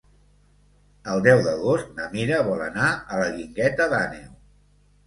El deu d'agost na Mira vol anar a la Guingueta d'Àneu.